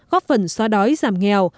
góp phần xóa đói giảm nghèo